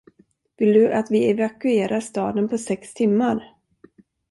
Vill du att vi evakuerar staden på sex timmar?